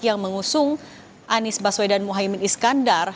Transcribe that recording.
yang mengusung anies baswedan mohaimin iskandar